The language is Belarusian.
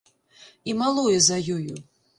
І малое за ёю.